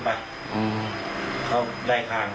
แต่ทีนี้มันก็ยังไม่นานหรอก